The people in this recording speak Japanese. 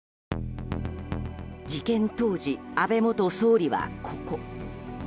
事件当時、安倍元総理はここ。